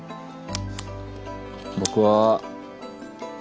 僕は。